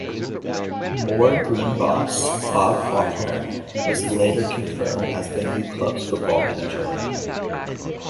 Moor Green boss, Bob Faulkner, was later confirmed as the new club's football manager.